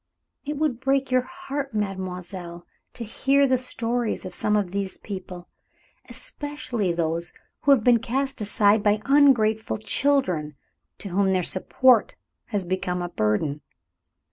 It would break your heart, mademoiselle, to hear the stories of some of these people, especially those who have been cast aside by ungrateful children, to whom their support has become a burden.